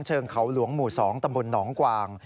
เชิงเขาหลวงหมู่๒ตนองกวาง